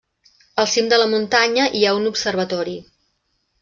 Al cim de la muntanya hi ha un observatori.